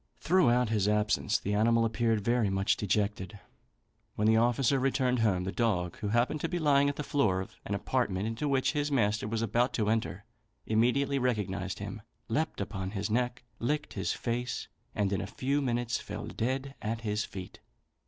Throughout his absence, the animal appeared very much dejected. When the officer returned home, the dog, who happened to be lying at the door of an apartment into which his master was about to enter, immediately recognised him, leapt upon his neck, licked his face, and in a few minutes fell dead at his feet.